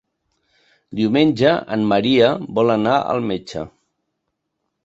Diumenge en Maria vol anar al metge.